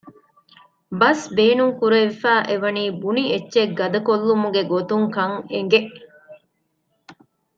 ބަސް ބޭނުންކުރެވިފައި އެވަނީ ބުނި އެއްޗެއް ގަދަކޮށްލުމުގެ ގޮތުން ކަން އެނގެ